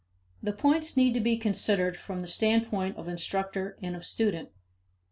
The points need to be considered from the standpoint of instructor and of student.